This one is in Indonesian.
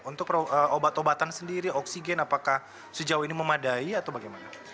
untuk obat obatan sendiri oksigen apakah sejauh ini memadai atau bagaimana